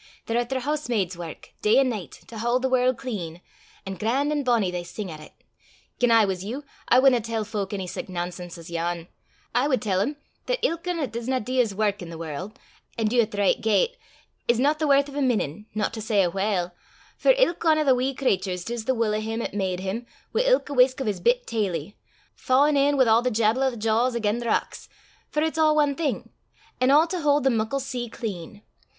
They're at their hoosemaid's wark, day an' nicht, to haud the warl' clean, an' gran'; an' bonnie they sing at it. Gien I was you, I wadna tell fowk any sic nonsense as yon; I wad tell them 'at ilk ane 'at disna dee his wark i' the warl', an' dee 't the richt gait, 's no the worth o' a minnin, no to say a whaul, for ilk ane o' thae wee craturs dis the wull o' him 'at made 'im wi' ilka whisk o' his bit tailie, fa'in' in wi' a' the jabble o' the jaws again' the rocks, for it's a' ae thing an' a' to haud the muckle sea clean.